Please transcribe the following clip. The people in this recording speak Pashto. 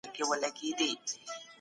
د ذمي حقوق بايد خوندي وساتل سي.